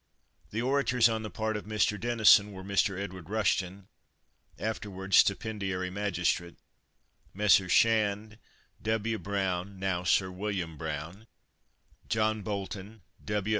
The orators on the part of Mr. Denison were, Mr. Edward Rushton (afterwards stipendiary magistrate), Messrs. Shand, W. Brown (now Sir William Brown), John Bolton, W.